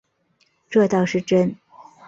这倒是真